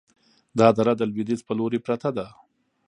دا دره د لویدیځ په لوري پرته ده،